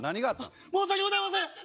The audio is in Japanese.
申し訳ございません！